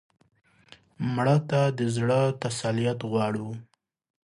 مړه ته د زړه تسلیت غواړو